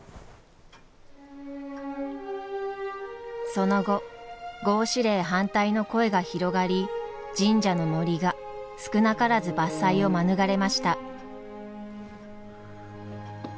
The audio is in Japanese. その後合祀令反対の声が広がり神社の森が少なからず伐採を免れました。